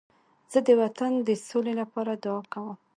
زه د وطن د سولې لپاره دعا کوم.